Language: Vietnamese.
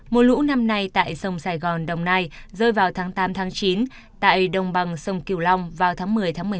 mùa lũ năm nay tại sông sài gòn đồng nai rơi vào tháng tám chín tại đồng bằng sông kiều long vào tháng một mươi tháng một mươi một